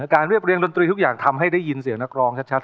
เรียบเรียงดนตรีทุกอย่างทำให้ได้ยินเสียงนักร้องชัด